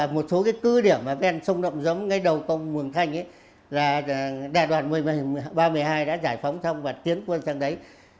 một số cái cứ điểm mà ven sông động giống ngay đầu cầu mường thanh ấy là đài đoàn một nghìn ba trăm một mươi hai đã giải phóng xong và tiến quân sang đấy